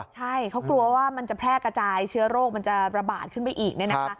ใช่เขากลัวว่ามันจะแพร่กระจายเชื้อโรคมันจะระบาดขึ้นไปอีกเนี่ยนะคะ